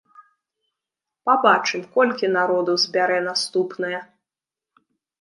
Пабачым, колькі народу збярэ наступная.